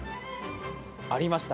ありました。